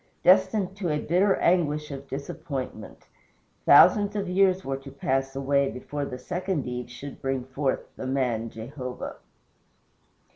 destined to a bitter anguish of disappointment! Thousands of years were to pass away before the second Eve should bring forth the MAN Jehovah.